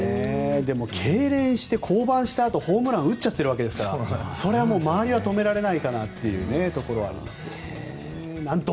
でもけいれんして降板したあとホームラン打っちゃってるわけですからそれは周りは止められないかなっていうところはありますね。